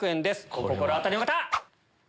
お心当たりの方！